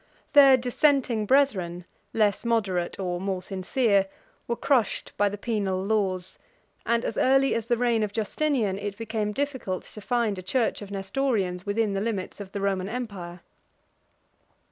Their dissenting brethren, less moderate, or more sincere, were crushed by the penal laws; and, as early as the reign of Justinian, it became difficult to find a church of Nestorians within the limits of the Roman empire.